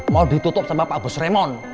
mau ditutup sama pak bos raymond